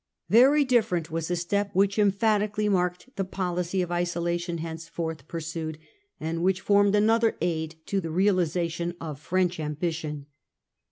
Very different was a step which emphatically marked the policy of isolation henceforth pursued, and which formed another aid to the realisation of French ambition.